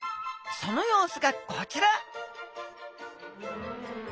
その様子がこちら！